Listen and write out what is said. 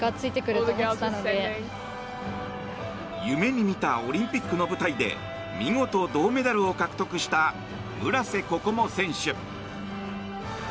夢に見たオリンピックの舞台で見事銅メダルを獲得した村瀬心椛選手。